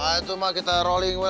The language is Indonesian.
aduh pak kita rolling ya